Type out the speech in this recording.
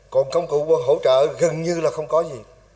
còn công cụ hỗ trợ gần như là không có gì